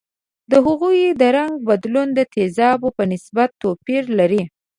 د هغوي د رنګ بدلون د تیزابو په نسبت توپیر لري.